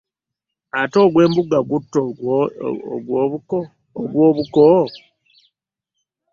Ate ogw'embuga gutta ogw'obuko .